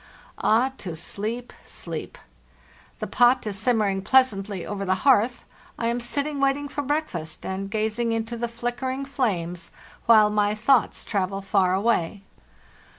Ah, to sleep, sleep! The pot is simmering pleasantly over the hearth; I am sitting waiting for breakfast, and gazing into the flickering flames, while my thoughts travel far away.